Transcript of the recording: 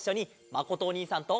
まことおにいさんも！